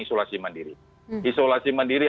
isolasi mandiri isolasi mandiri